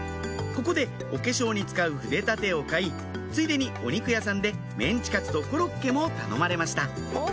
ここでお化粧に使う筆立てを買いついでにお肉屋さんでメンチカツとコロッケも頼まれました